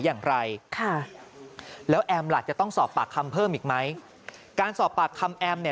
อย่างไรค่ะแล้วแอมล่ะจะต้องสอบปากคำเพิ่มอีกไหมการสอบปากคำแอมเนี่ย